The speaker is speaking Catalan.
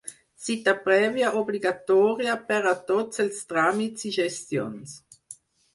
Cita prèvia obligatòria per a tots els tràmits i gestions.